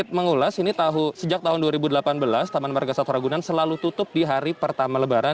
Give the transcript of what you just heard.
untuk mengulas ini sejak tahun dua ribu delapan belas taman marga satwa ragunan selalu tutup di hari pertama lebaran